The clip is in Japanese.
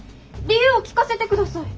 理由を聞かせてください。